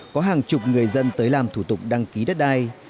có hàng chục người dân tới làm thủ tục đăng ký đất đai